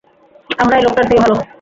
আমরা এই লোকটার থেকে ভালো?